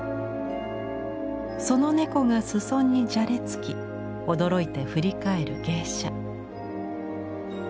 その猫が裾にじゃれつき驚いて振り返る芸者。